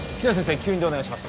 吸引でお願いします